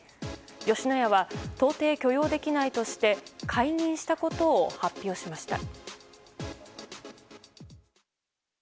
吉野家は到底許容できないとして解任したことを発表しました。